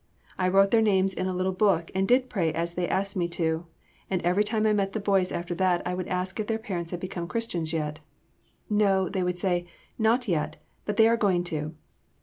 I wrote their names in a little book and did pray as they asked me to, and every time I met the boys after that I would ask if their parents had become Christians yet. "No," they would say, "not yet, but they are going to."